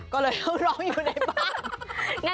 ก็เลยเขาร้องอยู่ในบ้าน